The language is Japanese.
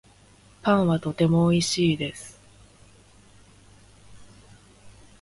パンはとてもおいしいです